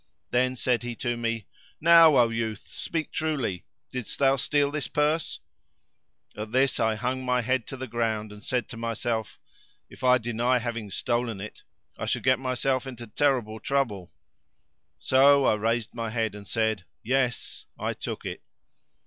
Then said he to me, "Now, O youth, speak truly: didst thou steal this purse?"[FN#544] At this I hung my head to the ground and said to myself, "If I deny having stolen it, I shall get myself into terrible trouble." So I raised my head and said, "Yes, I took it."